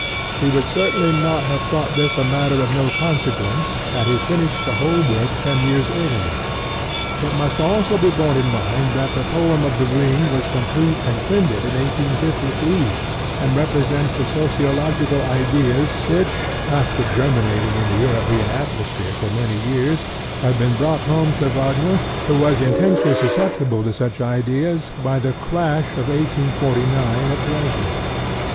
He would certainly not have thought this a matter of no consequence had he finished the whole work ten years earlier. It must always be borne in mind that the poem of The Ring was complete and printed in 1853, and represents the sociological ideas which, after germinating in the European atmosphere for many years, had been brought home to Wagner, who was intensely susceptible to such ideas, by the crash of 1849 at Dresden.